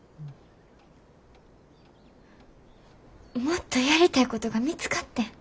もっとやりたいことが見つかってん。